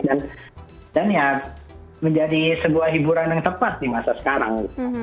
dan ya menjadi sebuah hiburan yang tepat di masa sekarang